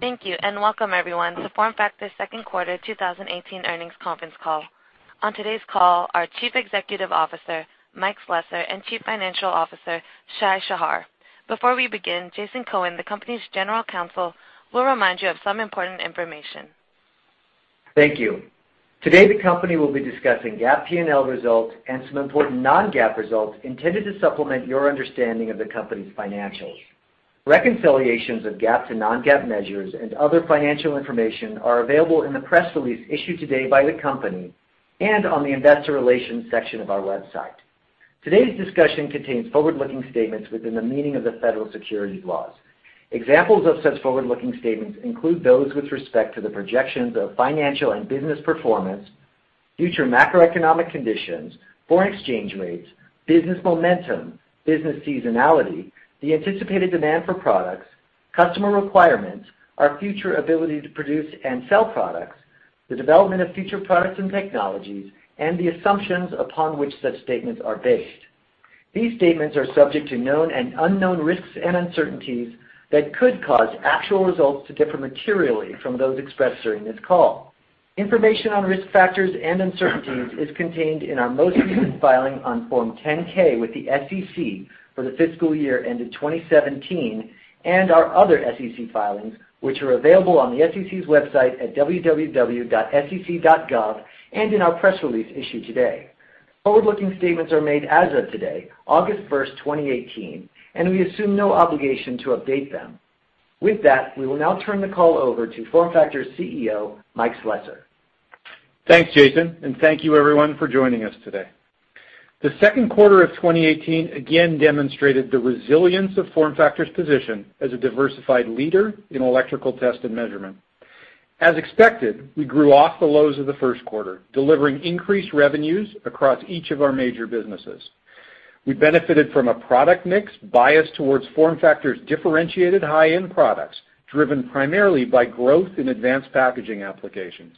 Thank you, and welcome, everyone, to FormFactor's second quarter 2018 earnings conference call. On today's call are Chief Executive Officer, Mike Slessor, and Chief Financial Officer, Shai Shahar. Before we begin, Jason Cohen, the company's General Counsel, will remind you of some important information. Thank you. Today, the company will be discussing GAAP P&L results and some important non-GAAP results intended to supplement your understanding of the company's financials. Reconciliations of GAAP to non-GAAP measures and other financial information are available in the press release issued today by the company and on the investor relations section of our website. Today's discussion contains forward-looking statements within the meaning of the federal securities laws. Examples of such forward-looking statements include those with respect to the projections of financial and business performance, future macroeconomic conditions, foreign exchange rates, business momentum, business seasonality, the anticipated demand for products, customer requirements, our future ability to produce and sell products, the development of future products and technologies, and the assumptions upon which such statements are based. These statements are subject to known and unknown risks and uncertainties that could cause actual results to differ materially from those expressed during this call. Information on risk factors and uncertainties is contained in our most recent filing on Form 10-K with the SEC for the fiscal year ended 2017, and our other SEC filings, which are available on the SEC's website at www.sec.gov and in our press release issued today. Forward-looking statements are made as of today, August 1st, 2018, and we assume no obligation to update them. With that, we will now turn the call over to FormFactor CEO, Mike Slessor. Thanks, Jason, and thank you, everyone, for joining us today. The second quarter of 2018 again demonstrated the resilience of FormFactor's position as a diversified leader in electrical test and measurement. As expected, we grew off the lows of the first quarter, delivering increased revenues across each of our major businesses. We benefited from a product mix biased towards FormFactor's differentiated high-end products, driven primarily by growth in advanced packaging applications.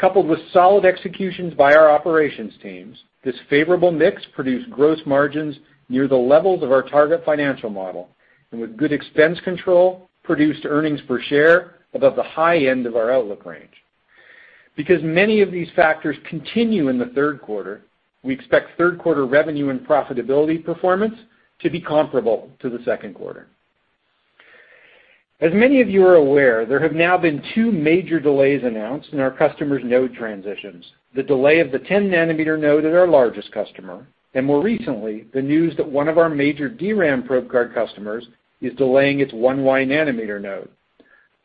Coupled with solid executions by our operations teams, this favorable mix produced gross margins near the levels of our target financial model, and with good expense control, produced earnings per share above the high end of our outlook range. Because many of these factors continue in the third quarter, we expect third quarter revenue and profitability performance to be comparable to the second quarter. As many of you are aware, there have now been two major delays announced in our customers' node transitions, the delay of the 10 nanometer node at our largest customer, and more recently, the news that one of our major DRAM probe card customers is delaying its 1y nanometer node.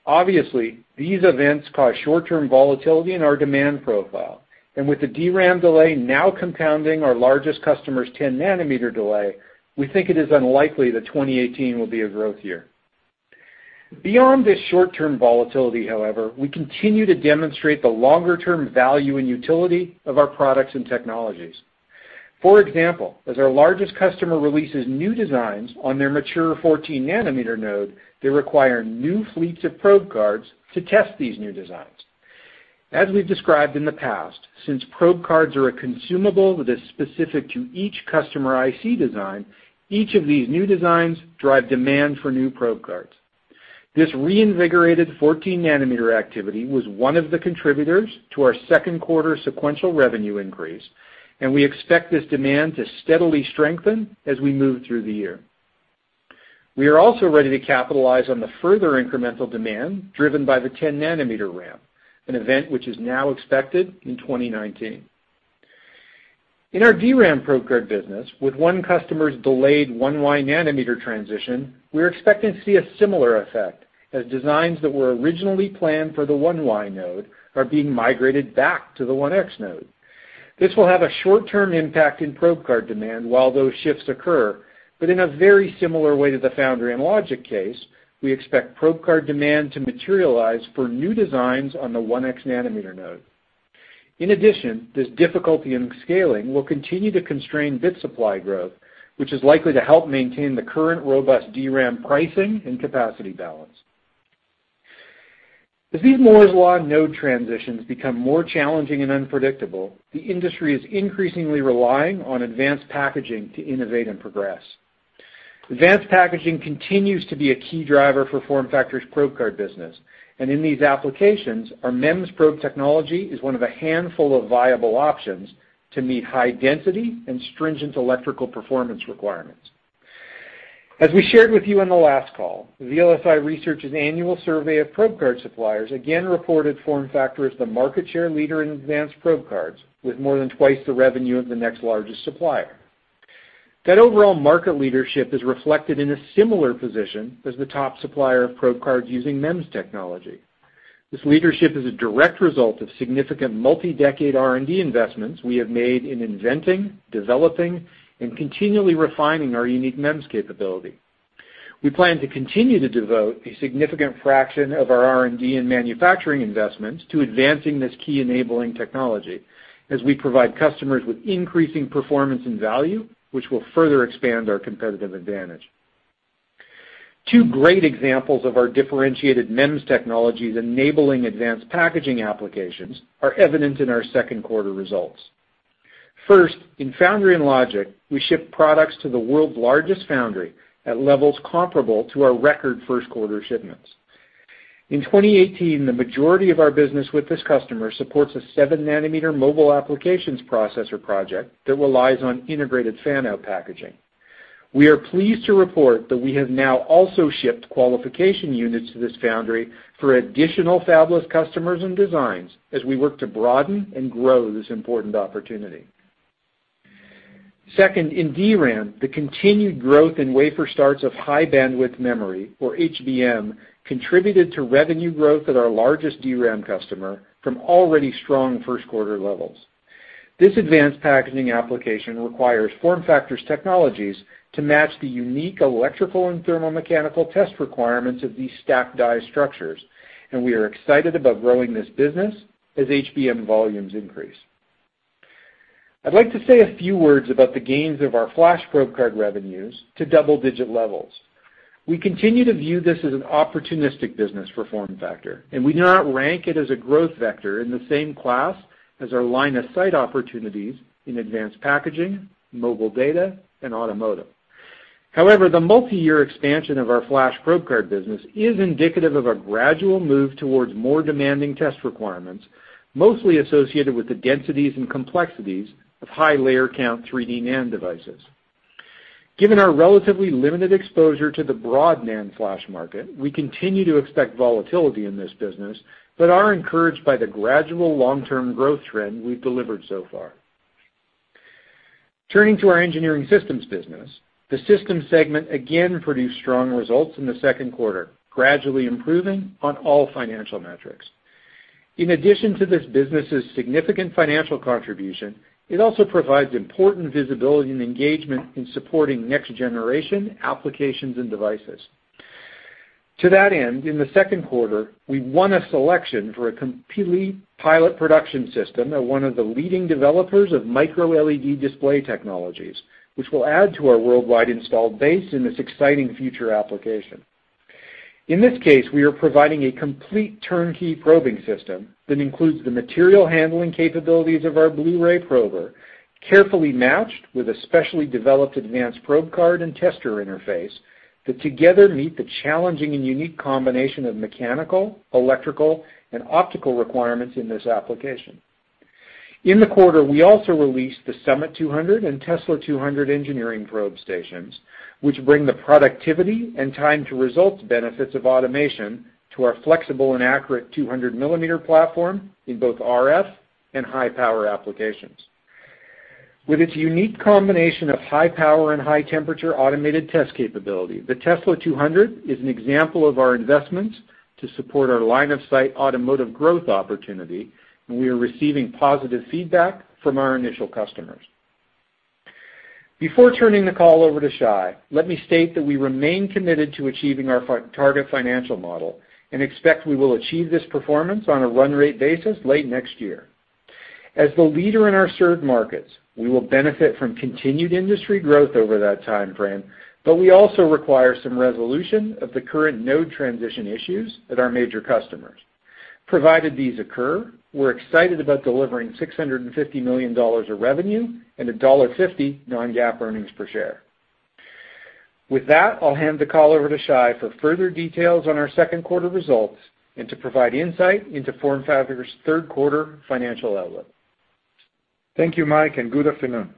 Obviously, these events cause short-term volatility in our demand profile, and with the DRAM delay now compounding our largest customer's 10 nanometer delay, we think it is unlikely that 2018 will be a growth year. Beyond this short-term volatility, however, we continue to demonstrate the longer-term value and utility of our products and technologies. For example, as our largest customer releases new designs on their mature 14 nanometer node, they require new fleets of probe cards to test these new designs. As we've described in the past, since probe cards are a consumable that is specific to each customer IC design, each of these new designs drive demand for new probe cards. This reinvigorated 14 nanometer activity was one of the contributors to our second quarter sequential revenue increase, we expect this demand to steadily strengthen as we move through the year. We are also ready to capitalize on the further incremental demand driven by the 10 nanometer ramp, an event which is now expected in 2019. In our DRAM probe card business, with one customer's delayed 1y nanometer transition, we are expecting to see a similar effect, as designs that were originally planned for the 1y node are being migrated back to the 1x node. This will have a short-term impact in probe card demand while those shifts occur, in a very similar way to the foundry and logic case, we expect probe card demand to materialize for new designs on the 1x nanometer node. In addition, this difficulty in scaling will continue to constrain bit supply growth, which is likely to help maintain the current robust DRAM pricing and capacity balance. As these Moore's Law node transitions become more challenging and unpredictable, the industry is increasingly relying on advanced packaging to innovate and progress. Advanced packaging continues to be a key driver for FormFactor's probe card business, in these applications, our MEMS probe technology is one of a handful of viable options to meet high density and stringent electrical performance requirements. As we shared with you on the last call, VLSI Research's annual survey of probe card suppliers again reported FormFactor as the market share leader in advanced probe cards, with more than twice the revenue of the next largest supplier. That overall market leadership is reflected in a similar position as the top supplier of probe cards using MEMS technology. This leadership is a direct result of significant multi-decade R&D investments we have made in inventing, developing, and continually refining our unique MEMS capability. We plan to continue to devote a significant fraction of our R&D and manufacturing investments to advancing this key enabling technology as we provide customers with increasing performance and value, which will further expand our competitive advantage. Two great examples of our differentiated MEMS technologies enabling advanced packaging applications are evident in our second quarter results. First, in foundry and logic, we ship products to the world's largest foundry at levels comparable to our record first quarter shipments. In 2018, the majority of our business with this customer supports a 7 nanometer mobile applications processor project that relies on integrated fan-out packaging. We are pleased to report that we have now also shipped qualification units to this foundry for additional fabless customers and designs as we work to broaden and grow this important opportunity. Second, in DRAM, the continued growth in wafer starts of High Bandwidth Memory, or HBM, contributed to revenue growth at our largest DRAM customer from already strong first quarter levels. This advanced packaging application requires FormFactor's technologies to match the unique electrical and thermal mechanical test requirements of these stacked die structures, and we are excited about growing this business as HBM volumes increase. I'd like to say a few words about the gains of our flash probe card revenues to double-digit levels. We continue to view this as an opportunistic business for FormFactor, and we do not rank it as a growth vector in the same class as our line of sight opportunities in advanced packaging, mobile data, and automotive. However, the multi-year expansion of our flash probe card business is indicative of a gradual move towards more demanding test requirements, mostly associated with the densities and complexities of high layer count 3D NAND devices. Given our relatively limited exposure to the broad NAND flash market, we continue to expect volatility in this business, but are encouraged by the gradual long-term growth trend we've delivered so far. Turning to our engineering systems business. The systems segment again produced strong results in the second quarter, gradually improving on all financial metrics. In addition to this business's significant financial contribution, it also provides important visibility and engagement in supporting next generation applications and devices. To that end, in the second quarter, we won a selection for a complete pilot production system at one of the leading developers of MicroLED display technologies, which will add to our worldwide installed base in this exciting future application. In this case, we are providing a complete turnkey probing system that includes the material handling capabilities of our BlueRay prober, carefully matched with a specially developed advanced probe card and tester interface that together meet the challenging and unique combination of mechanical, electrical, and optical requirements in this application. In the quarter, we also released the SUMMIT200 and TESLA200 engineering probe stations, which bring the productivity and time to results benefits of automation to our flexible and accurate 200 millimeter platform in both RF and high power applications. With its unique combination of high power and high temperature automated test capability, the TESLA200 is an example of our investments to support our line of sight automotive growth opportunity, and we are receiving positive feedback from our initial customers. Before turning the call over to Shai, let me state that we remain committed to achieving our target financial model, and expect we will achieve this performance on a run rate basis late next year. As the leader in our served markets, we will benefit from continued industry growth over that time frame. We also require some resolution of the current node transition issues at our major customers. Provided these occur, we're excited about delivering $650 million of revenue and $1.50 non-GAAP earnings per share. With that, I'll hand the call over to Shai for further details on our second quarter results and to provide insight into FormFactor's third quarter financial outlook. Thank you, Mike, and good afternoon.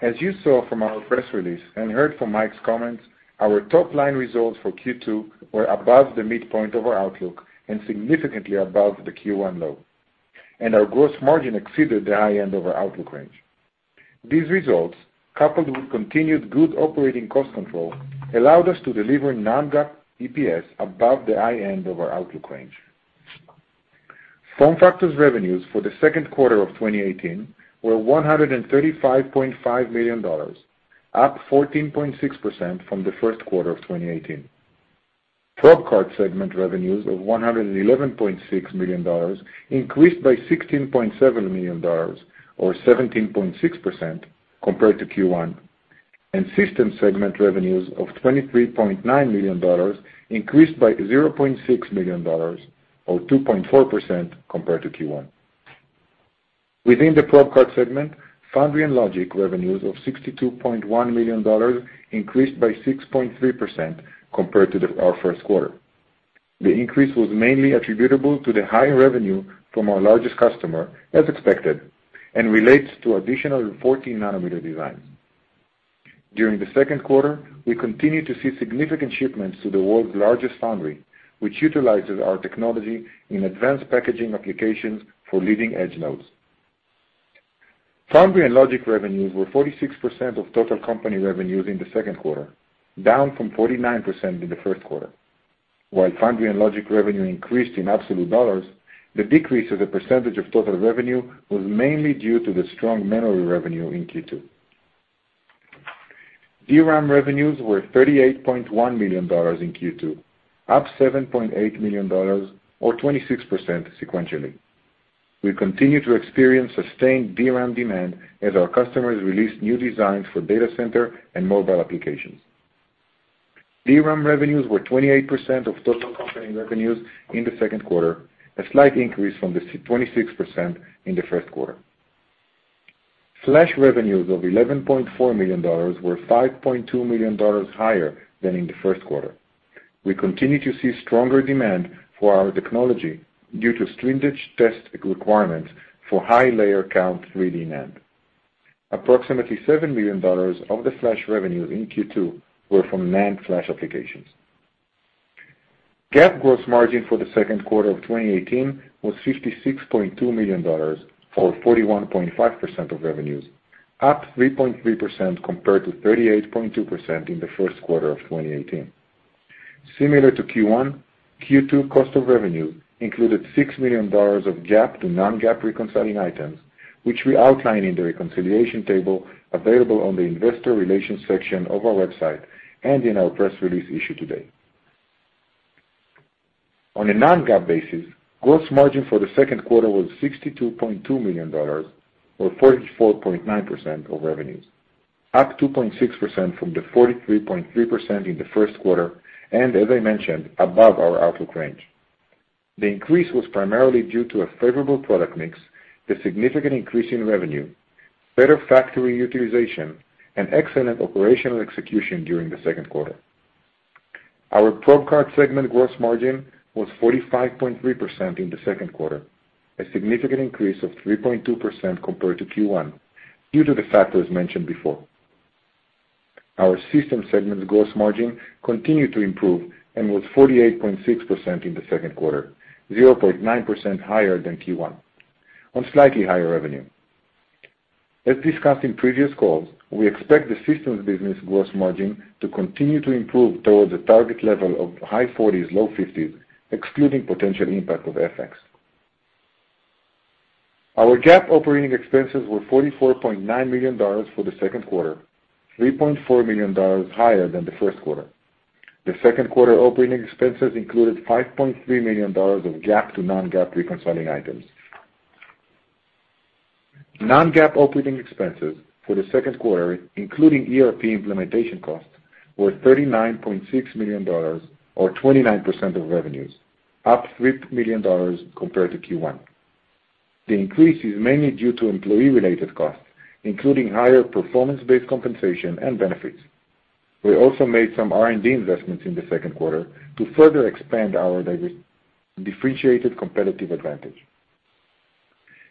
As you saw from our press release and heard from Mike's comments, our top line results for Q2 were above the midpoint of our outlook and significantly above the Q1 low. Our gross margin exceeded the high end of our outlook range. These results, coupled with continued good operating cost control, allowed us to deliver non-GAAP EPS above the high end of our outlook range. FormFactor's revenues for the second quarter of 2018 were $135.5 million, up 14.6% from the first quarter of 2018. Probe card segment revenues of $111.6 million increased by $16.7 million, or 17.6%, compared to Q1. Systems segment revenues of $23.9 million increased by $0.6 million, or 2.4%, compared to Q1. Within the probe card segment, foundry and logic revenues of $62.1 million increased by 6.3% compared to our first quarter. The increase was mainly attributable to the higher revenue from our largest customer, as expected, and relates to additional 14 nanometer designs. During the second quarter, we continued to see significant shipments to the world's largest foundry, which utilizes our technology in advanced packaging applications for leading edge nodes. Foundry and logic revenues were 46% of total company revenues in the second quarter, down from 49% in the first quarter. While foundry and logic revenue increased in absolute dollars, the decrease as a percentage of total revenue was mainly due to the strong memory revenue in Q2. DRAM revenues were $38.1 million in Q2, up $7.8 million, or 26% sequentially. We continue to experience sustained DRAM demand as our customers release new designs for data center and mobile applications. DRAM revenues were 28% of total company revenues in the second quarter, a slight increase from the 26% in the first quarter. Flash revenues of $11.4 million were $5.2 million higher than in the first quarter. We continue to see stronger demand for our technology due to stringent test requirements for high-layer count 3D NAND. Approximately $7 million of the flash revenue in Q2 were from NAND flash applications. GAAP gross margin for the second quarter of 2018 was $56.2 million, or 41.5% of revenues, up 3.3% compared to 38.2% in the first quarter of 2018. Similar to Q1, Q2 cost of revenue included $6 million of GAAP to non-GAAP reconciling items, which we outline in the reconciliation table available on the investor relations section of our website and in our press release issued today. On a non-GAAP basis, gross margin for the second quarter was $62.2 million, or 44.9% of revenues, up 2.6% from the 43.3% in the first quarter, and as I mentioned, above our outlook range. The increase was primarily due to a favorable product mix, the significant increase in revenue, better factory utilization, and excellent operational execution during the second quarter. Our probe card segment gross margin was 45.3% in the second quarter, a significant increase of 3.2% compared to Q1 due to the factors mentioned before. Our systems segment gross margin continued to improve and was 48.6% in the second quarter, 0.9% higher than Q1, on slightly higher revenue. As discussed in previous calls, we expect the systems business gross margin to continue to improve towards a target level of high 40s, low 50s, excluding potential impact of FX. Our GAAP operating expenses were $44.9 million for the second quarter, $3.4 million higher than the first quarter. The second quarter operating expenses included $5.3 million of GAAP to non-GAAP reconciling items. Non-GAAP operating expenses for the second quarter, including ERP implementation costs, were $39.6 million or 29% of revenues, up $3 million compared to Q1. The increase is mainly due to employee-related costs, including higher performance-based compensation and benefits. We also made some R&D investments in the second quarter to further expand our differentiated competitive advantage.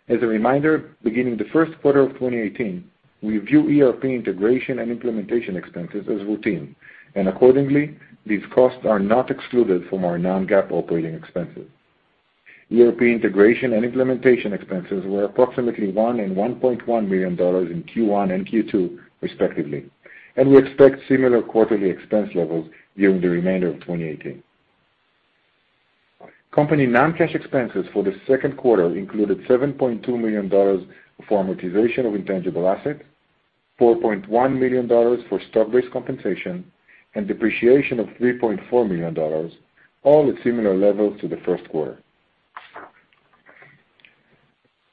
As a reminder, beginning the first quarter of 2018, we view ERP integration and implementation expenses as routine, and accordingly, these costs are not excluded from our non-GAAP operating expenses. ERP integration and implementation expenses were approximately one and $1.1 million in Q1 and Q2, respectively, and we expect similar quarterly expense levels during the remainder of 2018. Company non-cash expenses for the second quarter included $7.2 million for amortization of intangible assets, $4.1 million for stock-based compensation, and depreciation of $3.4 million, all at similar levels to the first quarter.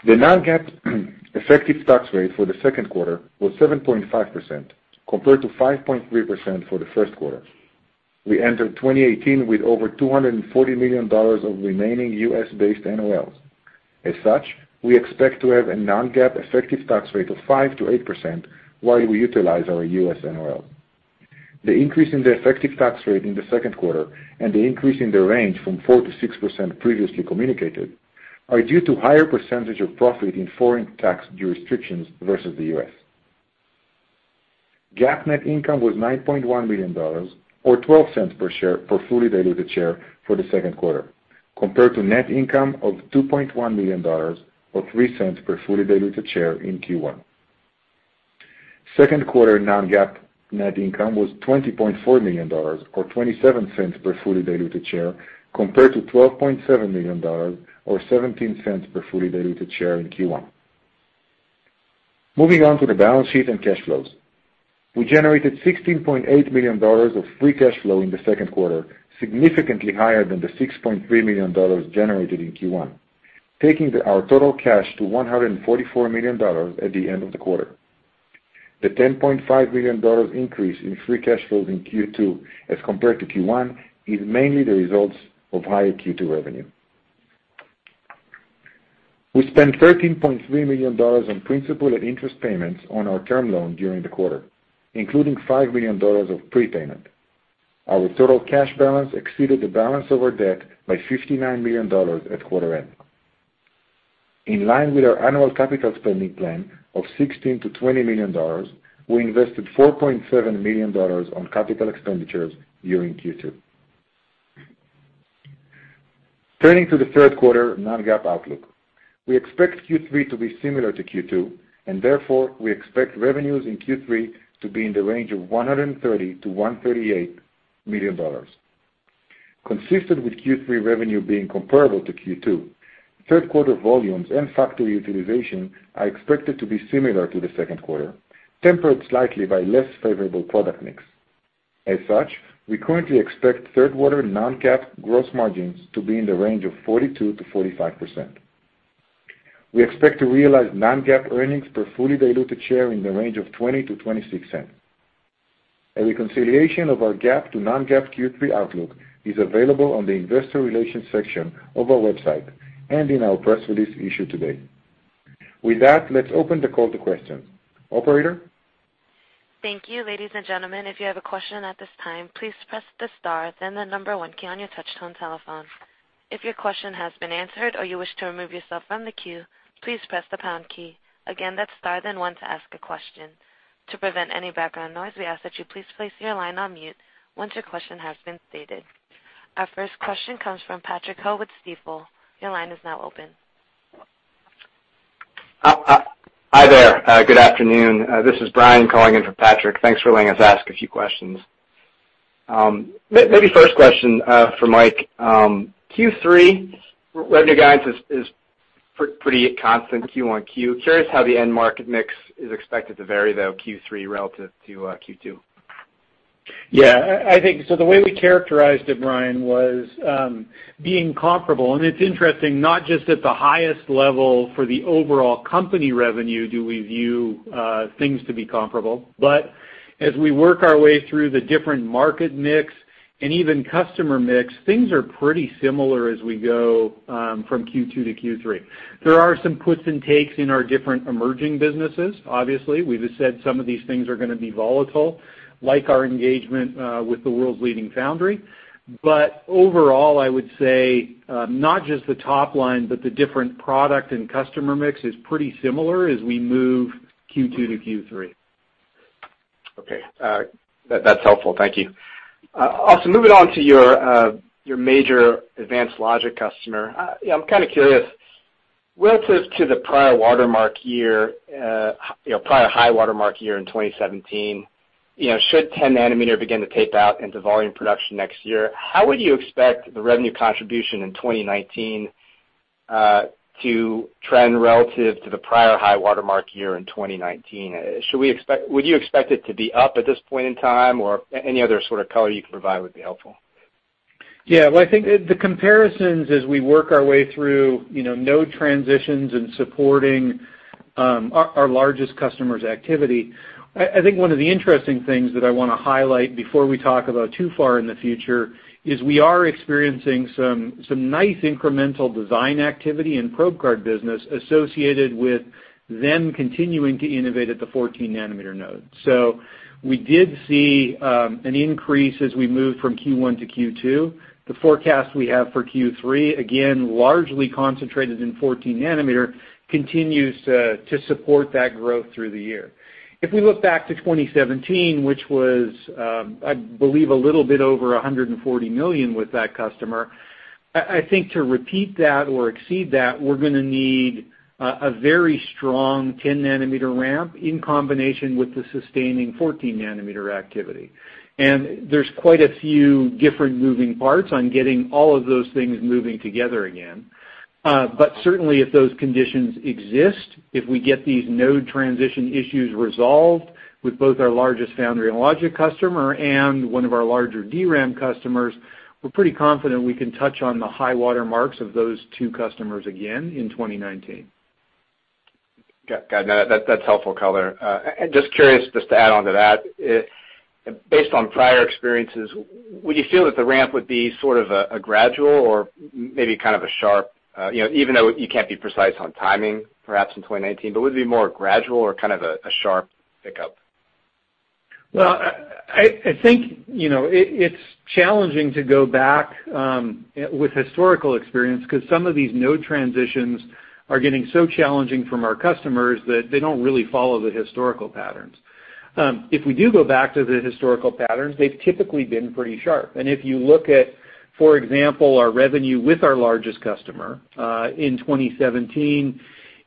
The non-GAAP effective tax rate for the second quarter was 7.5%, compared to 5.3% for the first quarter. We entered 2018 with over $240 million of remaining U.S.-based NOLs. As such, we expect to have a non-GAAP effective tax rate of 5%-8% while we utilize our U.S. NOL. The increase in the effective tax rate in the second quarter and the increase in the range from 4%-6% previously communicated are due to higher percentage of profit in foreign tax jurisdictions versus the U.S. GAAP net income was $9.1 million, or $0.12 per share per fully diluted share for the second quarter, compared to net income of $2.1 million or $0.03 per fully diluted share in Q1. Second quarter non-GAAP net income was $20.4 million or $0.27 per fully diluted share, compared to $12.7 million or $0.17 per fully diluted share in Q1. Moving on to the balance sheet and cash flows. We generated $16.8 million of free cash flow in the second quarter, significantly higher than the $6.3 million generated in Q1, taking our total cash to $144 million at the end of the quarter. The $10.5 million increase in free cash flow in Q2 as compared to Q1 is mainly the results of higher Q2 revenue. We spent $13.3 million on principal and interest payments on our term loan during the quarter, including $5 million of prepayment. Our total cash balance exceeded the balance of our debt by $59 million at quarter end. In line with our annual capital spending plan of $16 million-$20 million, we invested $4.7 million on capital expenditures during Q2. Turning to the third quarter non-GAAP outlook. Therefore, we expect revenues in Q3 to be in the range of $130 million-$138 million. Consistent with Q3 revenue being comparable to Q2, third quarter volumes and factory utilization are expected to be similar to the second quarter, tempered slightly by less favorable product mix. As such, we currently expect third quarter non-GAAP gross margins to be in the range of 42%-45%. We expect to realize non-GAAP earnings per fully diluted share in the range of $0.20-$0.26. A reconciliation of our GAAP to non-GAAP Q3 outlook is available on the investor relations section of our website and in our press release issued today. With that, let's open the call to questions. Operator? Thank you, ladies and gentlemen. If you have a question at this time, please press the star then the number 1 key on your touch-tone telephone. If your question has been answered or you wish to remove yourself from the queue, please press the pound key. Again, that's star then 1 to ask a question. To prevent any background noise, we ask that you please place your line on mute once your question has been stated. Our first question comes from Patrick Ho with Stifel. Your line is now open. Hi there. Good afternoon. This is Brian calling in for Patrick. Thanks for letting us ask a few questions. Maybe first question for Mike. Q3 revenue guidance is pretty constant Q-on-Q. Curious how the end market mix is expected to vary though Q3 relative to Q2. The way we characterized it, Brian, was being comparable. It's interesting, not just at the highest level for the overall company revenue do we view things to be comparable, but as we work our way through the different market mix and even customer mix, things are pretty similar as we go from Q2 to Q3. There are some puts and takes in our different emerging businesses. Obviously, we've said some of these things are going to be volatile, like our engagement with the world's leading foundry. Overall, I would say, not just the top line, but the different product and customer mix is pretty similar as we move Q2 to Q3. Okay. That's helpful. Thank you. Also, moving on to your major advanced logic customer. I'm kind of curious, relative to the prior high watermark year in 2017, should 10 nanometer begin to tape out into volume production next year, how would you expect the revenue contribution in 2019 to trend relative to the prior high watermark year in 2019? Would you expect it to be up at this point in time, or any other sort of color you can provide would be helpful. I think the comparisons as we work our way through node transitions and supporting our largest customer's activity, I think one of the interesting things that I want to highlight before we talk about too far in the future is we are experiencing some nice incremental design activity and probe card business associated with them continuing to innovate at the 14 nanometer node. We did see an increase as we moved from Q1 to Q2. The forecast we have for Q3, again, largely concentrated in 14 nanometer, continues to support that growth through the year. If we look back to 2017, which was, I believe, a little bit over $140 million with that customer, I think to repeat that or exceed that, we're going to need a very strong 10 nanometer ramp in combination with the sustaining 14 nanometer activity. There's quite a few different moving parts on getting all of those things moving together again. Certainly, if those conditions exist, if we get these node transition issues resolved with both our largest foundry and logic customer and one of our larger DRAM customers, we're pretty confident we can touch on the high water marks of those two customers again in 2019. Got it. That's helpful color. Just curious, just to add on to that, based on prior experiences, would you feel that the ramp would be sort of a gradual or maybe kind of a sharp, even though you can't be precise on timing, perhaps in 2019, but would it be more gradual or kind of a sharp pickup? Well, I think it's challenging to go back with historical experience because some of these node transitions are getting so challenging from our customers that they don't really follow the historical patterns. If we do go back to the historical patterns, they've typically been pretty sharp. If you look at, for example, our revenue with our largest customer, in 2017,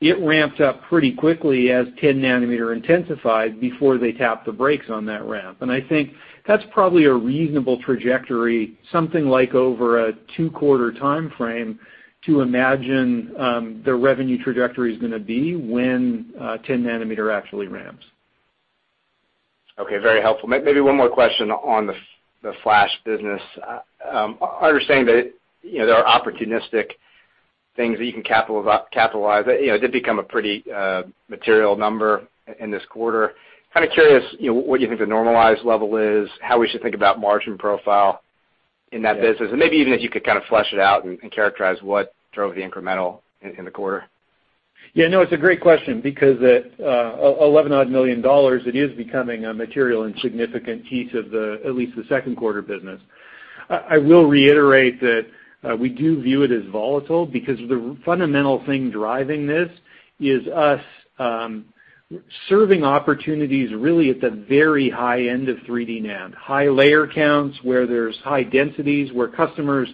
it ramped up pretty quickly as 10 nanometer intensified before they tapped the brakes on that ramp. I think that's probably a reasonable trajectory, something like over a two-quarter timeframe to imagine the revenue trajectory is going to be when 10 nanometer actually ramps. Okay. Very helpful. Maybe one more question on the flash business. Understanding that there are opportunistic things that you can capitalize, it did become a pretty material number in this quarter. Kind of curious what you think the normalized level is, how we should think about margin profile in that business, and maybe even if you could kind of flesh it out and characterize what drove the incremental in the quarter. Yeah, no, it's a great question because $11 odd million, it is becoming a material and significant piece of at least the second quarter business. I will reiterate that we do view it as volatile because the fundamental thing driving this is us serving opportunities really at the very high end of 3D NAND, high layer counts, where there's high densities, where customers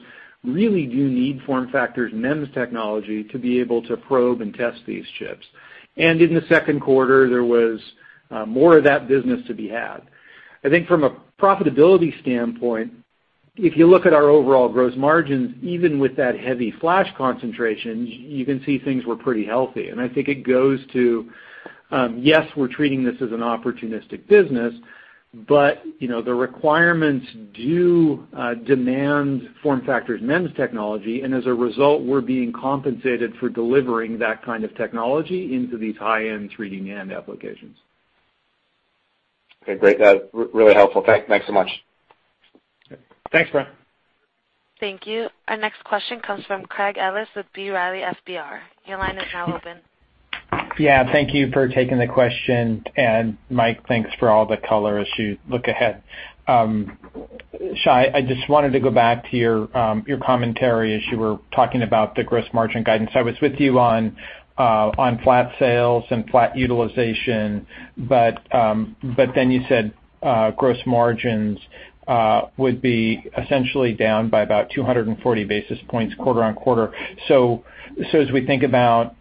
really do need FormFactor's MEMS technology to be able to probe and test these chips. In the second quarter, there was more of that business to be had. I think from a profitability standpoint, if you look at our overall gross margins, even with that heavy flash concentration, you can see things were pretty healthy. I think it goes to Yes, we're treating this as an opportunistic business, but the requirements do demand FormFactor's MEMS technology, and as a result, we're being compensated for delivering that kind of technology into these high-end 3D NAND applications. Okay, great. Really helpful. Thanks so much. Thanks, Brian. Thank you. Our next question comes from Craig Ellis with B. Riley FBR. Your line is now open. Thank you for taking the question. Mike, thanks for all the color as you look ahead. Shai, I just wanted to go back to your commentary as you were talking about the gross margin guidance. I was with you on flat sales and flat utilization, you said gross margins would be essentially down by about 240 basis points quarter-on-quarter. As we think about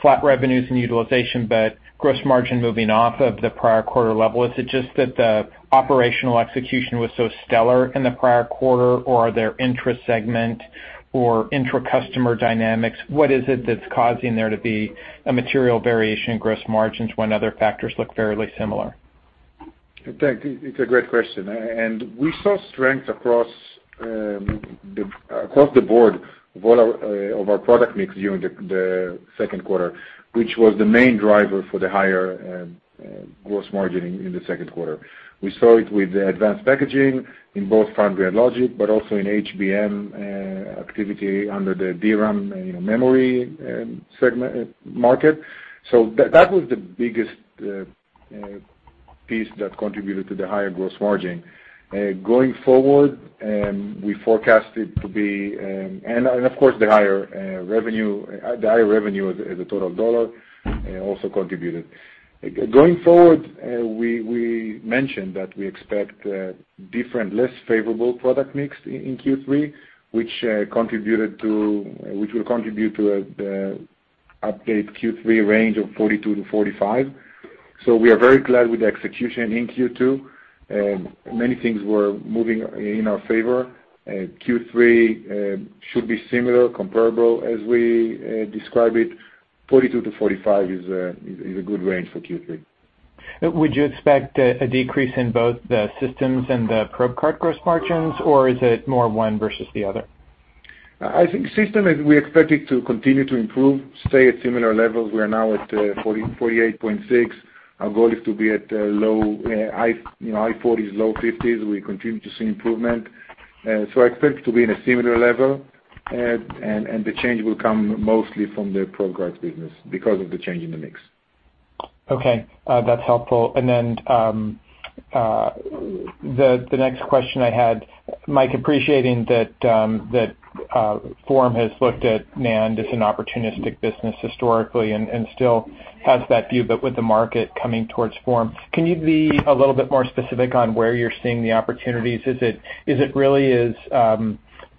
flat revenues and utilization, but gross margin moving off of the prior quarter level, is it just that the operational execution was so stellar in the prior quarter, or are there inter-segment or intra customer dynamics? What is it that's causing there to be a material variation in gross margins when other factors look fairly similar? Thanks. It's a great question. We saw strength across the board of our product mix during the second quarter, which was the main driver for the higher gross margin in the second quarter. We saw it with the advanced packaging in both Foundry and Logic, but also in HBM activity under the DRAM memory market. That was the biggest piece that contributed to the higher gross margin. Of course, the higher revenue as a total dollar also contributed. Going forward, we mentioned that we expect different, less favorable product mix in Q3, which will contribute to the updated Q3 range of 42%-45%. We are very glad with the execution in Q2. Many things were moving in our favor. Q3 should be similar, comparable as we describe it, 42%-45% is a good range for Q3. Would you expect a decrease in both the systems and the probe card gross margins, or is it more one versus the other? I think system, we expect it to continue to improve, stay at similar levels. We are now at 48.6%. Our goal is to be at high 40s, low 50s. We continue to see improvement. I expect to be in a similar level, and the change will come mostly from the probe card business because of the change in the mix. Okay, that's helpful. Then, the next question I had, Mike, appreciating that Form has looked at NAND as an opportunistic business historically and still has that view, but with the market coming towards Form, can you be a little bit more specific on where you're seeing the opportunities? Is it really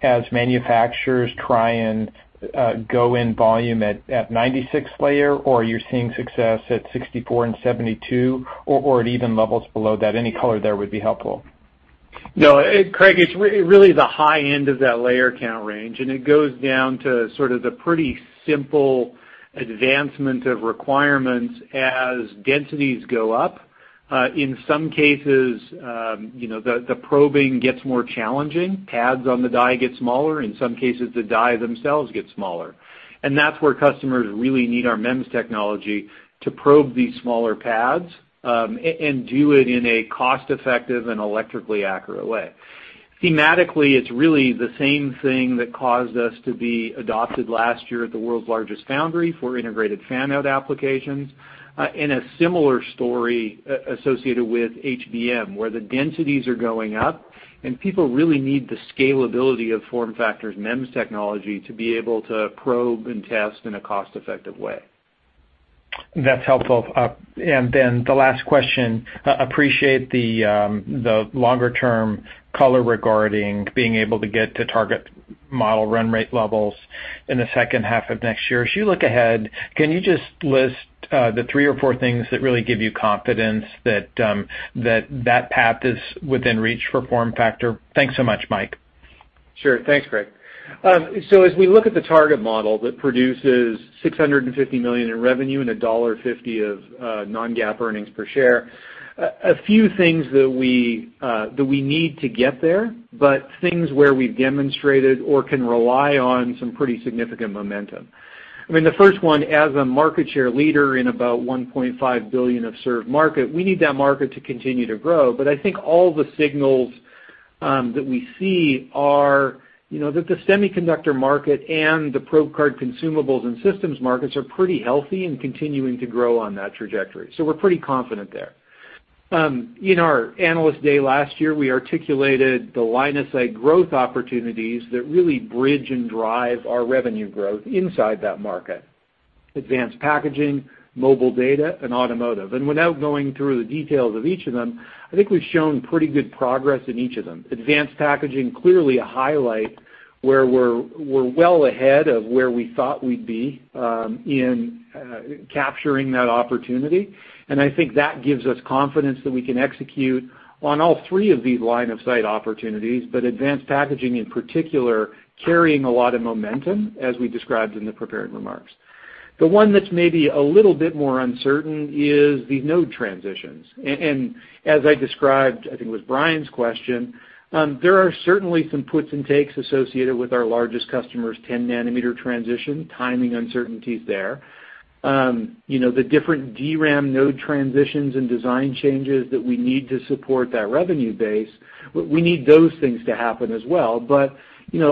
as manufacturers try and go in volume at 96 layer, or you're seeing success at 64 and 72 or at even levels below that? Any color there would be helpful. No, Craig, it's really the high end of that layer count range, and it goes down to sort of the pretty simple advancement of requirements as densities go up. In some cases, the probing gets more challenging. Pads on the die get smaller. In some cases, the die themselves get smaller. That's where customers really need our MEMS technology to probe these smaller pads, and do it in a cost-effective and electrically accurate way. Thematically, it's really the same thing that caused us to be adopted last year at the world's largest foundry for integrated fan-out applications. In a similar story associated with HBM, where the densities are going up and people really need the scalability of FormFactor's MEMS technology to be able to probe and test in a cost-effective way. That's helpful. Then the last question, appreciate the longer-term color regarding being able to get to target model run rate levels in the second half of next year. As you look ahead, can you just list the three or four things that really give you confidence that path is within reach for FormFactor? Thanks so much, Mike. Sure. Thanks, Craig. As we look at the target model that produces $650 million in revenue and a $1.50 of non-GAAP earnings per share, a few things that we need to get there, but things where we've demonstrated or can rely on some pretty significant momentum. I mean, the first one, as a market share leader in about $1.5 billion of served market, we need that market to continue to grow. I think all the signals that we see are that the semiconductor market and the probe card consumables and systems markets are pretty healthy and continuing to grow on that trajectory. We're pretty confident there. In our Analyst Day last year, we articulated the line of sight growth opportunities that really bridge and drive our revenue growth inside that market, advanced packaging, mobile data, and automotive. Without going through the details of each of them, I think we've shown pretty good progress in each of them. Advanced packaging, clearly a highlight where we're well ahead of where we thought we'd be in capturing that opportunity. I think that gives us confidence that we can execute on all three of these line of sight opportunities, but advanced packaging in particular, carrying a lot of momentum, as we described in the prepared remarks. The one that's maybe a little bit more uncertain is the node transitions. As I described, I think it was Brian's question, there are certainly some puts and takes associated with our largest customer's 10 nanometer transition, timing uncertainties there. The different DRAM node transitions and design changes that we need to support that revenue base, we need those things to happen as well.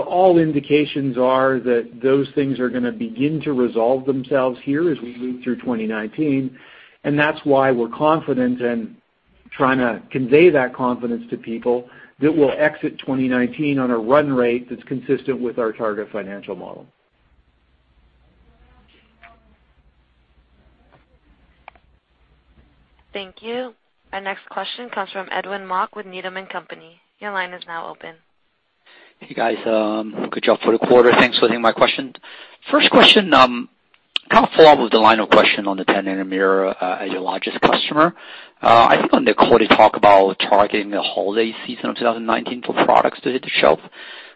All indications are that those things are going to begin to resolve themselves here as we move through 2019, and that's why we're confident and trying to convey that confidence to people that we'll exit 2019 on a run rate that's consistent with our target financial model. Thank you. Our next question comes from Edwin Mok with Needham & Company. Your line is now open. Hey, guys. Good job for the quarter. Thanks for taking my question. First question, kind of follow up with the line of question on the 10 nanometer as your largest customer. I think on the quarter talk about targeting the holiday season of 2019 for products to hit the shelf.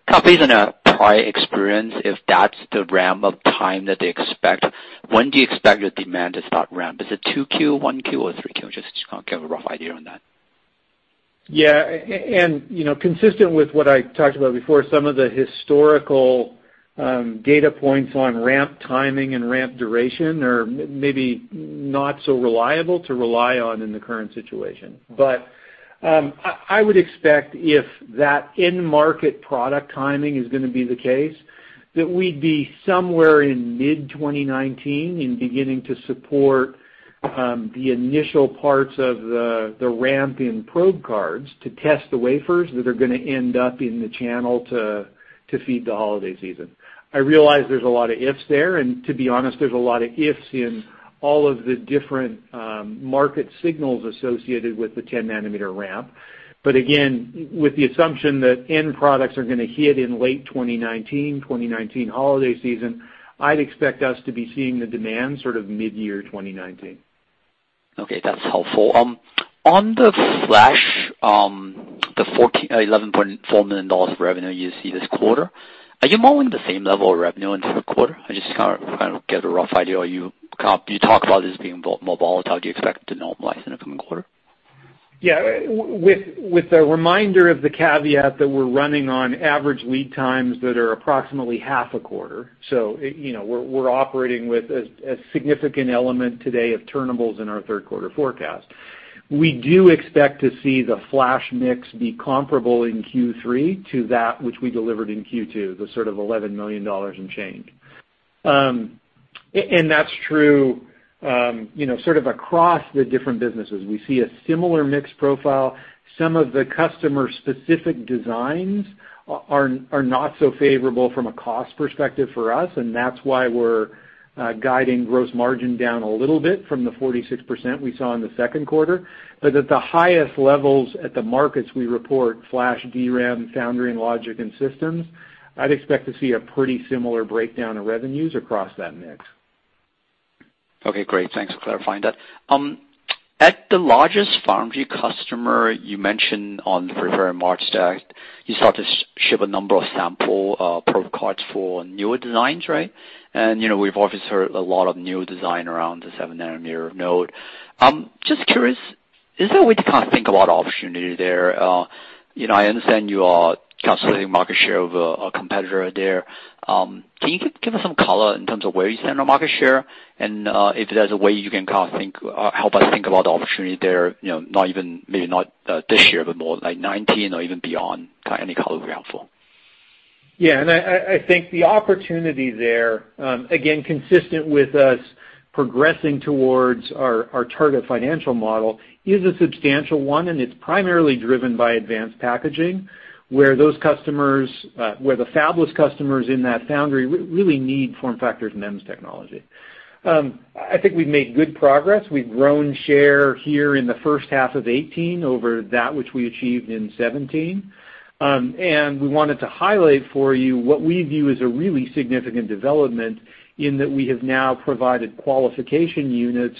Kind of based on a prior experience, if that's the ramp of time that they expect, when do you expect your demand to start ramp? Is it 2Q, 1Q, or 3Q? I'm just trying to get a rough idea on that. Yeah. Consistent with what I talked about before, some of the historical data points on ramp timing and ramp duration are maybe not so reliable to rely on in the current situation. I would expect if that end market product timing is going to be the case, that we'd be somewhere in mid-2019 in beginning to support the initial parts of the ramp in probe cards to test the wafers that are going to end up in the channel to feed the holiday season. I realize there's a lot of ifs there, and to be honest, there's a lot of ifs in all of the different market signals associated with the 10 nanometer ramp. Again, with the assumption that end products are going to hit in late 2019 holiday season, I'd expect us to be seeing the demand sort of mid-year 2019. Okay. That's helpful. On the flash, the $11.4 million of revenue you see this quarter, are you modeling the same level of revenue in the third quarter? I just kind of get a rough idea. You talked about this being more volatile. Do you expect it to normalize in the coming quarter? Yeah. With the reminder of the caveat that we're running on average lead times that are approximately half a quarter, so we're operating with a significant element today of turnables in our third quarter forecast. We do expect to see the flash mix be comparable in Q3 to that which we delivered in Q2, the sort of $11 million and change. That's true sort of across the different businesses. We see a similar mix profile. Some of the customer-specific designs are not so favorable from a cost perspective for us, and that's why we're guiding gross margin down a little bit from the 46% we saw in the second quarter. At the highest levels at the markets we report, flash, DRAM, foundry, and logic, and systems, I'd expect to see a pretty similar breakdown of revenues across that mix. Okay, great. Thanks for clarifying that. At the largest foundry customer, you mentioned on the [February March stack], you start to ship a number of sample probe cards for newer designs, right? We've obviously heard a lot of new design around the 7 nanometer node. Just curious, is there a way to kind of think about opportunity there? I understand you are considering market share of a competitor there. Can you give us some color in terms of where you stand on market share and if there's a way you can help us think about the opportunity there, maybe not this year, but more like 2019 or even beyond? Any color would be helpful. Yeah. I think the opportunity there, again, consistent with us progressing towards our target financial model, is a substantial one, and it's primarily driven by advanced packaging, where the fabless customers in that foundry really need FormFactor's MEMS technology. I think we've made good progress. We've grown share here in the first half of 2018 over that which we achieved in 2017. We wanted to highlight for you what we view as a really significant development in that we have now provided qualification units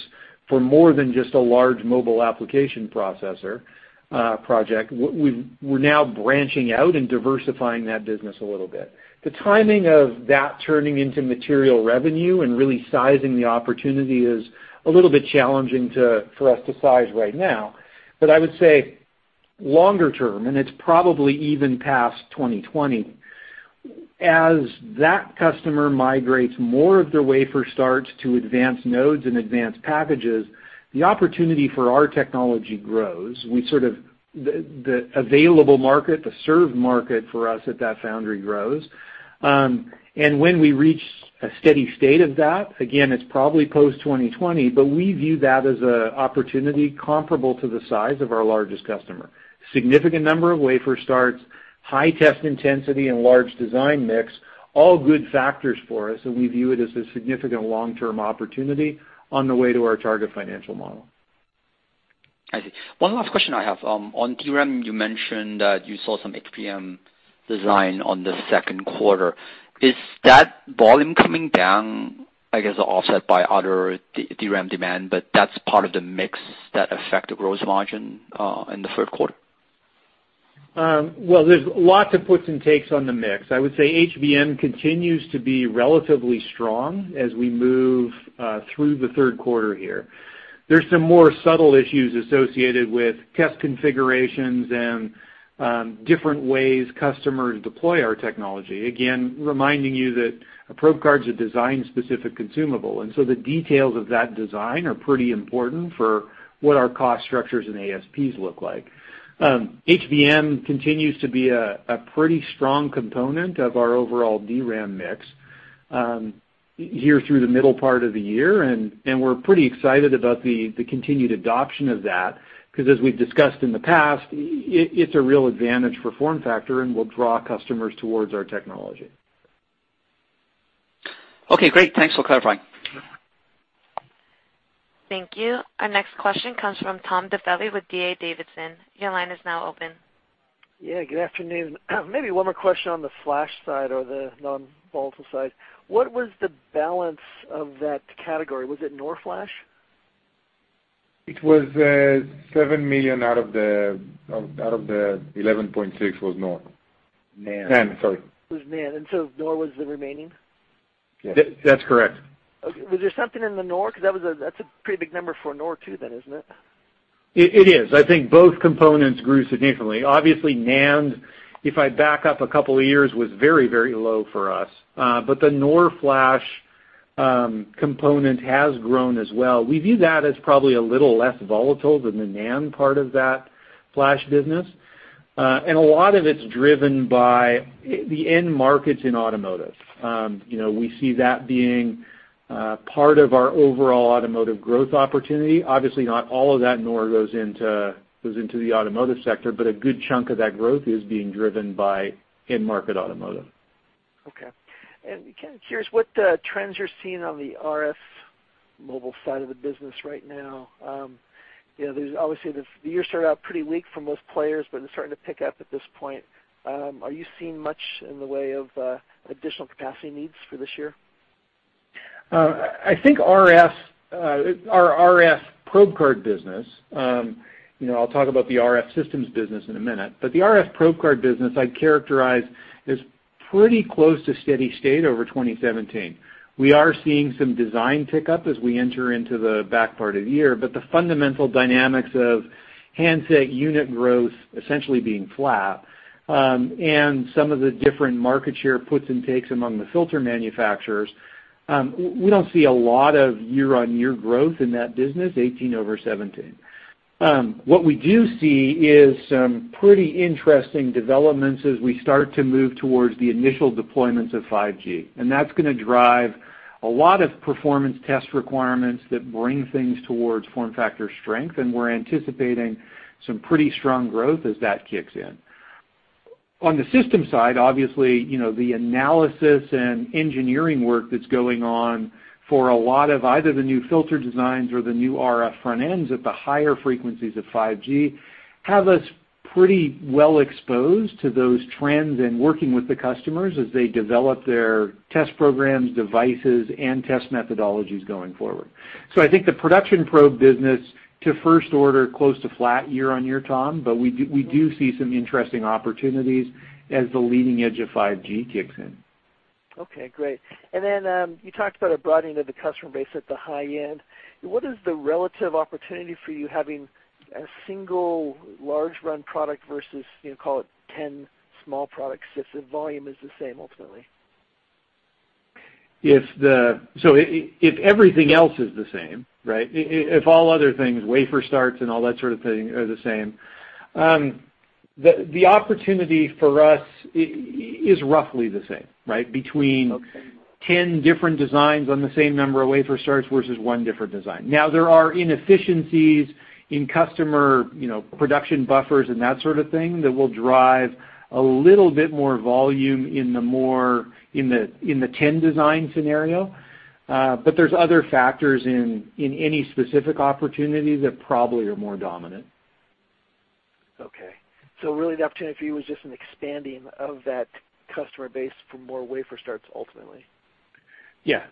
for more than just a large mobile application processor project. We're now branching out and diversifying that business a little bit. The timing of that turning into material revenue and really sizing the opportunity is a little bit challenging for us to size right now. I would say longer term, and it's probably even past 2020, as that customer migrates more of their wafer starts to advance nodes and advance packages, the opportunity for our technology grows. The available market, the served market for us at that foundry grows. When we reach a steady state of that, again, it's probably post-2020, but we view that as an opportunity comparable to the size of our largest customer. Significant number of wafer starts, high test intensity, and large design mix, all good factors for us. We view it as a significant long-term opportunity on the way to our target financial model. I see. One last question I have. On DRAM, you mentioned that you saw some HBM design on the second quarter. Is that volume coming down, I guess, offset by other DRAM demand, but that's part of the mix that affect the gross margin in the third quarter? Well, there's lots of puts and takes on the mix. I would say HBM continues to be relatively strong as we move through the third quarter here. There's some more subtle issues associated with test configurations and different ways customers deploy our technology. Again, reminding you that a probe card's a design-specific consumable, the details of that design are pretty important for what our cost structures and ASPs look like. HBM continues to be a pretty strong component of our overall DRAM mix here through the middle part of the year. We're pretty excited about the continued adoption of that, because as we've discussed in the past, it's a real advantage for FormFactor and will draw customers towards our technology. Okay, great. Thanks for clarifying. Thank you. Our next question comes from Tom Diffely with D.A. Davidson. Your line is now open. Yeah, good afternoon. Maybe one more question on the flash side or the non-volatile side. What was the balance of that category? Was it NOR flash? It was $7 million out of the $11.6 was NOR. NAND. NAND, sorry. It was NAND. NOR was the remaining? That's correct. Okay. Was there something in the NOR? That's a pretty big number for NOR, too, then, isn't it? It is. I think both components grew significantly. Obviously, NAND, if I back up a couple of years, was very low for us. The NOR flash component has grown as well. We view that as probably a little less volatile than the NAND part of that flash business. A lot of it's driven by the end markets in automotive. We see that being part of our overall automotive growth opportunity. Obviously, not all of that NOR goes into the automotive sector, but a good chunk of that growth is being driven by end-market automotive. Okay. Kind of curious what trends you're seeing on the RF mobile side of the business right now. There's obviously the year started out pretty weak for most players, but it's starting to pick up at this point. Are you seeing much in the way of additional capacity needs for this year? I think our RF probe card business, I'll talk about the RF systems business in a minute, but the RF probe card business I'd characterize as pretty close to steady state over 2017. We are seeing some design pickup as we enter into the back part of the year, but the fundamental dynamics of handset unit growth essentially being flat, and some of the different market share puts and takes among the filter manufacturers. We don't see a lot of year-on-year growth in that business, 2018 over 2017. What we do see is some pretty interesting developments as we start to move towards the initial deployments of 5G. That's going to drive a lot of performance test requirements that bring things towards FormFactor strength, and we're anticipating some pretty strong growth as that kicks in. On the system side, obviously, the analysis and engineering work that's going on for a lot of either the new filter designs or the new RF front ends at the higher frequencies of 5G have us pretty well-exposed to those trends and working with the customers as they develop their test programs, devices, and test methodologies going forward. I think the production probe business to first order close to flat year-on-year, Tom, but we do see some interesting opportunities as the leading edge of 5G kicks in. Okay, great. Then, you talked about a broadening of the customer base at the high end. What is the relative opportunity for you having a single large run product versus, call it 10 small product systems, if volume is the same ultimately? If everything else is the same. If all other things, wafer starts and all that sort of thing are the same. The opportunity for us is roughly the same. Between 10 different designs on the same number of wafer starts versus one different design. Now, there are inefficiencies in customer production buffers and that sort of thing that will drive a little bit more volume in the 10 design scenario. There's other factors in any specific opportunity that probably are more dominant. Okay. Really the opportunity for you was just an expanding of that customer base for more wafer starts ultimately. Yeah.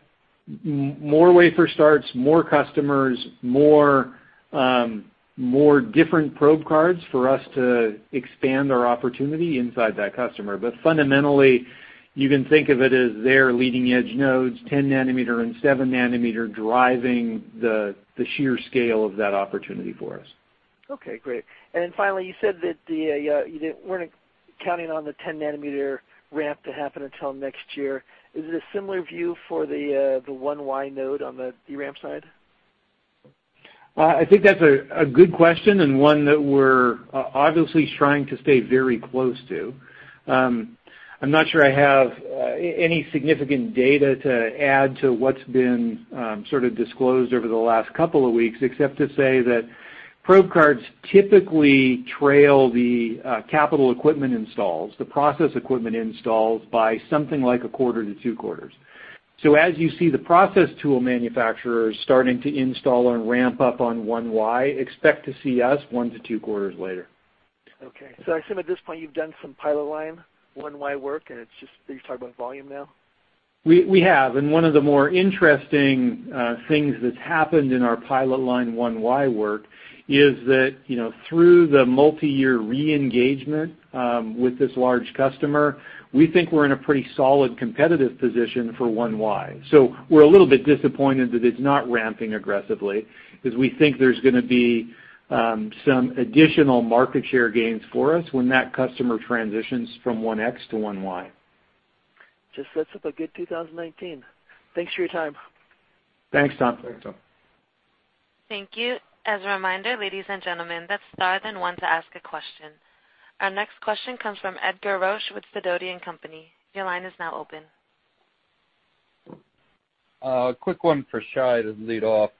More wafer starts, more customers, more different probe cards for us to expand our opportunity inside that customer. Fundamentally, you can think of it as their leading-edge nodes, 10 nanometer and seven nanometer driving the sheer scale of that opportunity for us. Okay, great. Finally, you said that you weren't counting on the 10 nanometer ramp to happen until next year. Is it a similar view for the 1Y node on the DRAM side? I think that's a good question and one that we're obviously trying to stay very close to. I'm not sure I have any significant data to add to what's been sort of disclosed over the last couple of weeks, except to say that probe cards typically trail the capital equipment installs, the process equipment installs by something like a quarter to two quarters. As you see the process tool manufacturers starting to install and ramp up on 1Y, expect to see us one to two quarters later. Okay. I assume at this point you've done some pilot line 1Y work, and it's just that you're talking about volume now? We have, and one of the more interesting things that's happened in our pilot line 1Y work is that through the multi-year re-engagement with this large customer, we think we're in a pretty solid competitive position for 1Y. We're a little bit disappointed that it's not ramping aggressively, because we think there's going to be some additional market share gains for us when that customer transitions from 1X to 1Y. Just sets up a good 2019. Thanks for your time. Thanks, Tom. Thanks, Tom. Thank you. As a reminder, ladies and gentlemen, press star then one to ask a question. Our next question comes from Ed Garo with Sidoti & Company. Your line is now open. A quick one for Shai to lead off.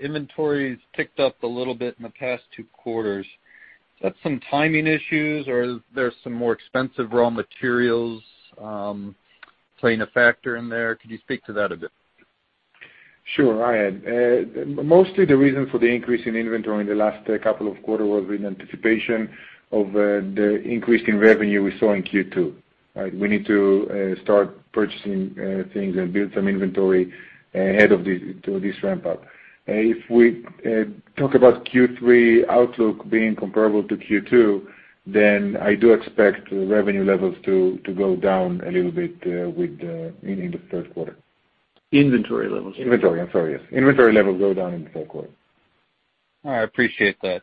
Inventories ticked up a little bit in the past two quarters. Is that some timing issues, or are there some more expensive raw materials playing a factor in there? Could you speak to that a bit? Sure, Ed. Mostly the reason for the increase in inventory in the last couple of quarters was in anticipation of the increase in revenue we saw in Q2. We need to start purchasing things and build some inventory ahead of this ramp-up. If we talk about Q3 outlook being comparable to Q2, I do expect revenue levels to go down a little bit in the first quarter. Inventory levels. Inventory, I'm sorry, yes. Inventory levels go down in the fourth quarter. All right, appreciate that.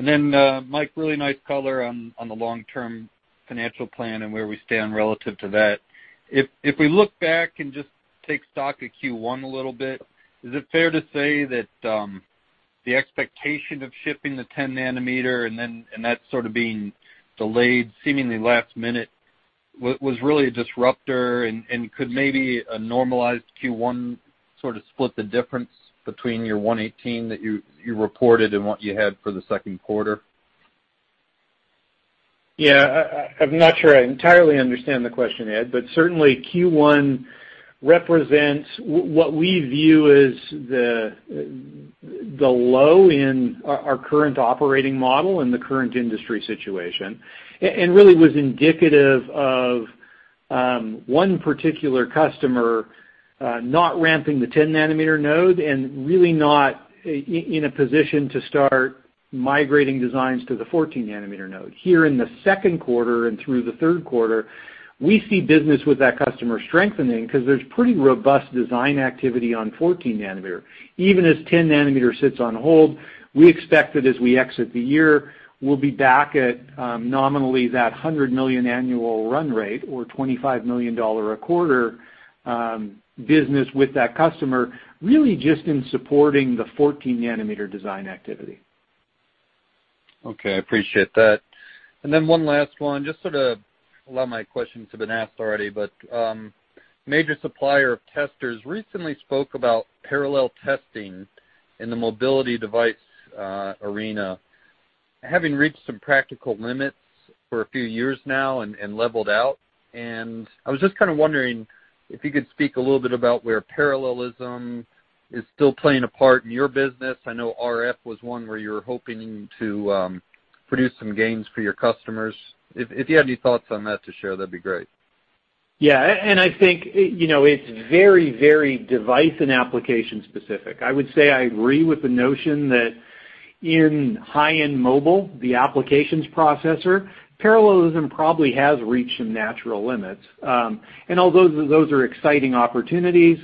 Mike, really nice color on the long-term financial plan and where we stand relative to that. If we look back and just take stock of Q1 a little bit, is it fair to say that the expectation of shipping the 10 nanometer and that sort of being delayed seemingly last minute, was really a disrupter, and could maybe a normalized Q1 sort of split the difference between your $118 that you reported and what you had for the second quarter? Yeah. I'm not sure I entirely understand the question, Ed, certainly Q1 represents what we view as the low in our current operating model and the current industry situation, and really was indicative of one particular customer not ramping the 10 nanometer node and really not in a position to start migrating designs to the 14 nanometer node. Here in the second quarter and through the third quarter, we see business with that customer strengthening because there's pretty robust design activity on 14 nanometer. Even as 10 nanometer sits on hold, we expect that as we exit the year, we'll be back at nominally that $100 million annual run rate or $25 million a quarter business with that customer, really just in supporting the 14 nanometer design activity. Okay, I appreciate that. One last one. A lot of my questions have been asked already, major supplier of testers recently spoke about parallel testing in the mobility device arena, having reached some practical limits for a few years now and leveled out. I was just kind of wondering if you could speak a little bit about where parallelism is still playing a part in your business. I know RF was one where you were hoping to produce some gains for your customers. If you had any thoughts on that to share, that'd be great. Yeah, I think it's very device and application specific. I would say I agree with the notion that in high-end mobile, the applications processor, parallelism probably has reached some natural limits. Although those are exciting opportunities,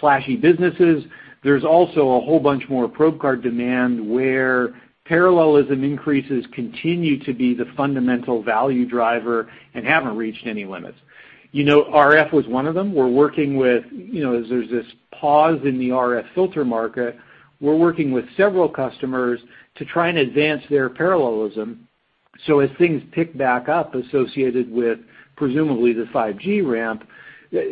flashy businesses, there's also a whole bunch more probe card demand where parallelism increases continue to be the fundamental value driver and haven't reached any limits. RF was one of them. There's this pause in the RF filter market. We're working with several customers to try and advance their parallelism. As things pick back up associated with presumably the 5G ramp,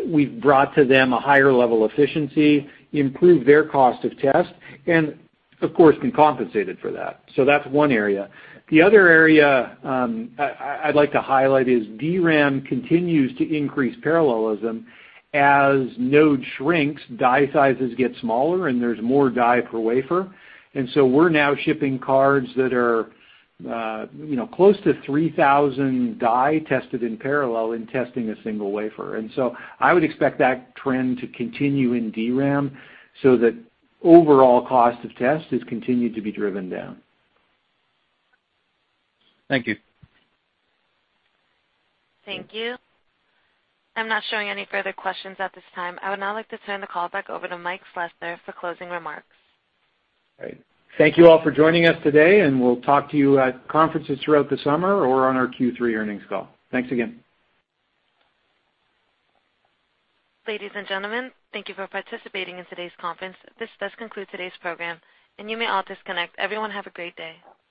we've brought to them a higher level efficiency, improved their cost of test, and of course, been compensated for that. That's one area. The other area I'd like to highlight is DRAM continues to increase parallelism. As node shrinks, die sizes get smaller, and there's more die per wafer. We're now shipping cards that are close to 3,000 die tested in parallel in testing a single wafer. I would expect that trend to continue in DRAM so that overall cost of test has continued to be driven down. Thank you. Thank you. I'm not showing any further questions at this time. I would now like to turn the call back over to Mike Slessor for closing remarks. Great. Thank you all for joining us today, and we'll talk to you at conferences throughout the summer or on our Q3 earnings call. Thanks again. Ladies and gentlemen, thank you for participating in today's conference. This does conclude today's program, and you may all disconnect. Everyone have a great day.